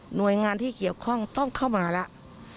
หน่วยงานที่เกี่ยวข้องต้องเข้ามาแล้ว